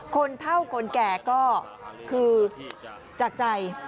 คนเท่าคนแก่ก็คือจากใจ